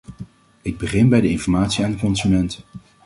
Ik begin bij de informatie aan de consument.